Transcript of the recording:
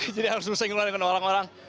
jadi harus saya ngeluar dengan orang orang